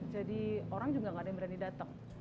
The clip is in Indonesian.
jadi orang juga nggak ada yang berani datang